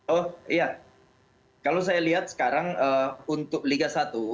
oh iya kalau saya lihat sekarang untuk liga satu